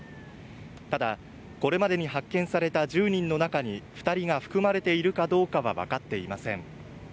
ただ、これまでに発見された１０人の中に２人が含まれているかは分かっていません。